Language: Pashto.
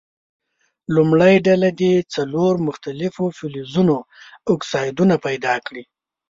لومړۍ ډله دې څلور مختلفو فلزونو اکسایدونه پیداکړي.